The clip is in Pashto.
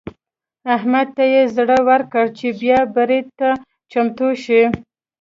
احمد ته يې زړه ورکړ چې بيا برید ته چمتو شي.